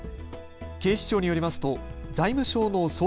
警視庁によりますと財務省の総括